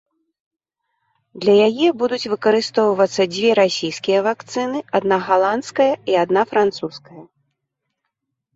Для яе будуць выкарыстоўвацца дзве расійскія вакцыны, адна галандская і адна французская.